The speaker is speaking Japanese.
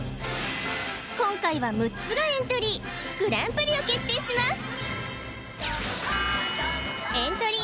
今回は６つがエントリーグランプリを決定します